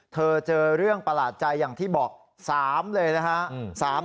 เจอเรื่องประหลาดใจอย่างที่บอก๓เลยนะฮะ